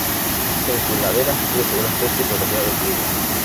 En sus laderas crece una especie protegida de orquídeas.